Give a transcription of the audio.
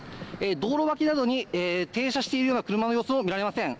道路脇などに停車しているような車の様子も見られません。